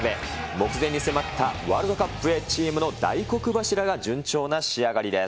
目前に迫ったワールドカップへ、チームの大黒柱が順調な仕上がりです。